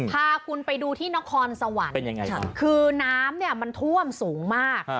พาคุณไปดูที่นครสวรรค์คือน้ำเนี่ยมันท่วมสูงมาก